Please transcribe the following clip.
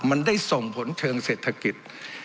มันได้ส่งผลเชิงเศรษฐกิจ